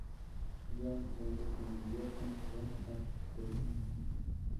John's, donde coincidió con Ron Artest.